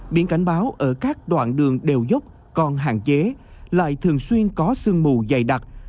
biển cảnh báo ở các đoạn đường đèo dốc còn hạn chế lại thường xuyên có sương mù dày đặc